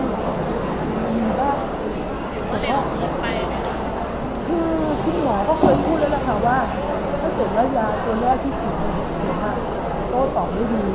โต๊ะต่อไม่มีเค้าก็จะเปลือกขอบคุณเพื่อนผ่านวิทยาลังเกตใจว่ายาเตรียมใหม่เนี่ยคุณเพื่อนประหลุม